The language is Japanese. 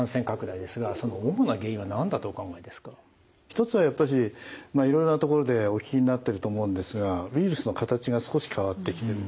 一つはやっぱしいろいろなところでお聞きになってると思うんですがウイルスの形が少し変わってきてる。